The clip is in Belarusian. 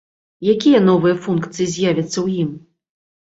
Якія новыя функцыі з'явяцца ў ім?